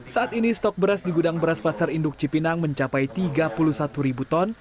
saat ini stok beras di gudang beras pasar induk cipinang mencapai tiga puluh satu ribu ton